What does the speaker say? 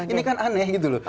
ini kan aneh gitu loh